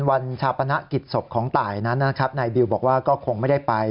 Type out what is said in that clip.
วันชาปนักฤทธิ์สบของตายนั้นนะครับในบิวบอกว่าก็คงไม่ได้ไป